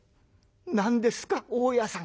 「何ですか大家さん」。